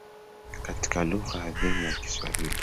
Katika lugha adhimu ya kiswahili